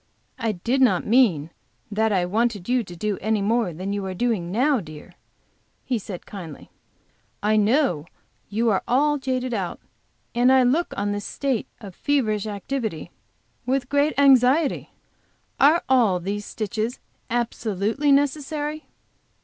"I did not mean that I wanted you to do anymore than you are doing now, dear," he said, kindly. "I know you are all jaded out, and I look on this state of feverish activity with great anxiety. Are all these stitches absolutely necessary?"